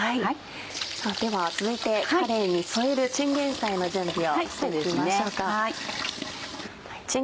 では続いてかれいに添えるチンゲンサイの準備をしていきましょうか。